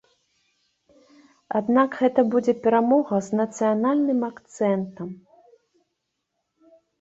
Аднак гэта будзе перамога з нацыянальным акцэнтам.